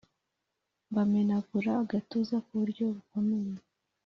mbamenagura agatuza kuburyo bukomeye